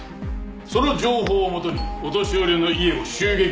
その情報をもとにお年寄りの家を襲撃。